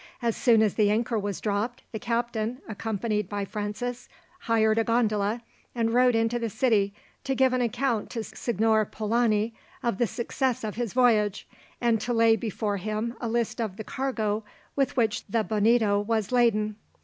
As soon as the anchor was dropped the captain, accompanied by Francis, hired a gondola, and rowed into the city to give an account to Signor Polani of the success of his voyage, and to lay before him a list of the cargo with which the Bonito was laden.